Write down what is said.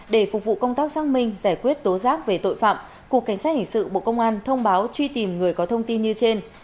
để phục vụ công tác xác minh giải quyết tố giác về tội phạm cục cảnh sát hình sự bộ công an thông báo truy tìm người có thông tin như trên